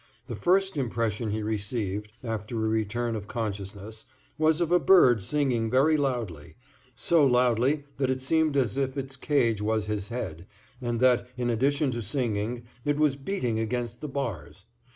The first impression he received, after a return of consciousness, was of a bird singing very loudly—so loudly that it seemed as if its cage was his head, and that, in addition to singing, it was beating against the bars.